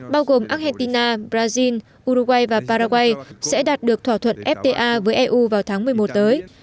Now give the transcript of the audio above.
bao gồm argentina brazil uruguay và paraguay sẽ đạt được thỏa thuận fta với eu vào tháng một mươi một tới